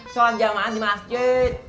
sholat jamaah di masjid